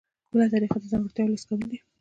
بله طریقه د ځانګړتیاوو لیست کول دي.